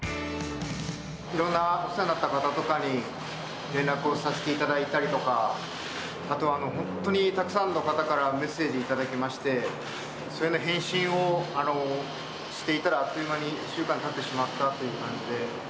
いろんなお世話になった方とかに連絡をさせていただいたりとか、あと、本当にたくさんの方からメッセージ頂きまして、それの返信をしていたらあっという間に１週間たってしまったという感じで。